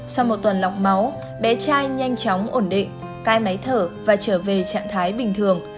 sau một tuần lọc máu bé trai nhanh chóng ổn định cai máy thở và trở về trạng thái bình thường